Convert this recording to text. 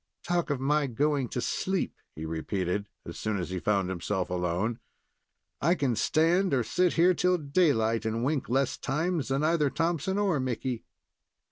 "Talk of my going to sleep," he repeated, as soon as he found himself alone. "I can stand or sit here till daylight, and wink less times than either Thompson or Mickey."